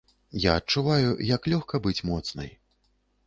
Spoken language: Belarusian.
Я адчуваю, як лёгка быць моцнай.